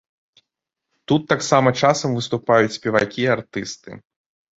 Тут таксама часам выступаюць спевакі і артысты.